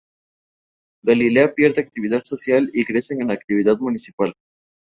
Galilea pierde actividad social y crece en actividad municipal.